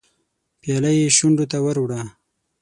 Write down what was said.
پياله يې شونډو ته ور وړه.